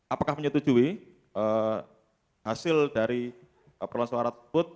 apakah menyetujui hasil dari perolahan suara tersebut